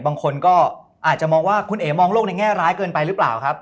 บางคนก็อาจจะมองว่าคุณเอ๋มองโลกในแง่ร้ายเกินไปหรือเปล่าครับ